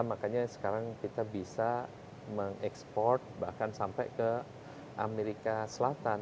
makanya sekarang kita bisa mengekspor bahkan sampai ke amerika selatan